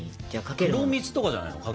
黒蜜とかじゃないの？